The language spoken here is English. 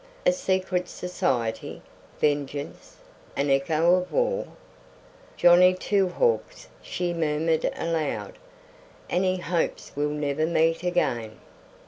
A secret society? Vengeance? An echo of the war? "Johnny Two Hawks," she murmured aloud. "And he hopes we'll never meet again!"